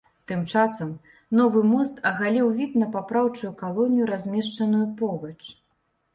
Тым часам новы мост агаліў від на папраўчую калонію, размешчаную побач.